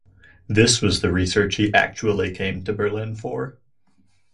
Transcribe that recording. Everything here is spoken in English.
This was the research he actually came to Berlin for.